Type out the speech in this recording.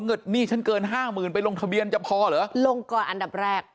หนี้ฉันเกินห้าหมื่นไปลงทะเบียนจะพอเหรอลงก่อนอันดับแรก